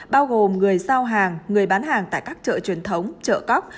bao gồm người giao hàng người bán hàng tại các chợ truyền thống chợ cóc